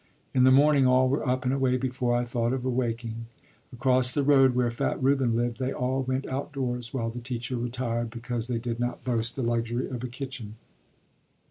In the morning all were up and away before I thought of awaking. Across the road, where fat Reuben lived, they all went out doors while the teacher retired, because they did not boast the luxury of a kitchen.